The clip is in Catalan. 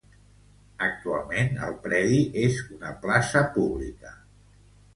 Actualment el predi és una plaça pública.